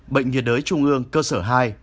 bệnh nhiệt đới trung ương cơ sở hai